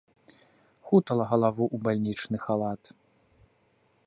Хутала галаву ў бальнічны халат.